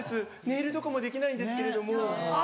ネイルとかもできないんですけれども。